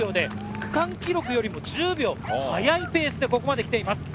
区間記録よりも１０秒速いペースでここまで来ています。